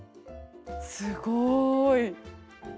すごい！